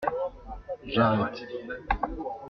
J’arrête.